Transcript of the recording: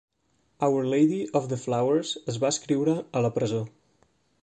Our Lady of the Flowers es va escriure a la presó.